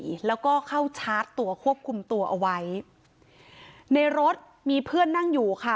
แล้วก็เข้าชาร์จตัวควบคุมตัวเอาไว้ในรถมีเพื่อนนั่งอยู่ค่ะ